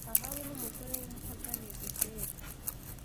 Ahabu n’umugore we w’umupagani Yezeberi